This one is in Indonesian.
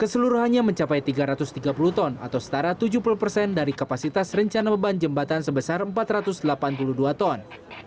keseluruhannya mencapai tiga ratus tiga puluh ton atau setara tujuh puluh persen dari kapasitas rencana beban jembatan sebesar empat ratus delapan puluh dua ton